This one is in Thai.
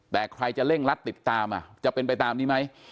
แต่ใครจะเร่งรัดติดตามจะเป็นไปตามนี้ไหม